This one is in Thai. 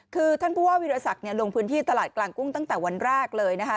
คือท่านผู้ว่าวิรสักลงพื้นที่ตลาดกลางกุ้งตั้งแต่วันแรกเลยนะคะ